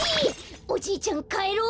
おじいちゃんかえろう。